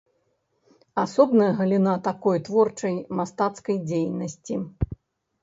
Асобная галіна такой творчай мастацкай дзейнасці.